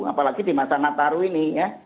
apalagi di masa nataru ini ya